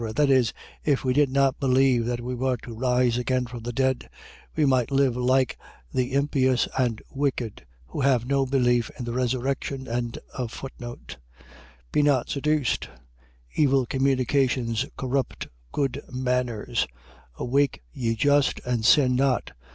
.That is, if we did not believe that we were to rise again from the dead, we might live like the impious and wicked, who have no belief in the resurrection. 15:33. Be not seduced: Evil communications corrupt good manners. 15:34. Awake, ye just, and sin not.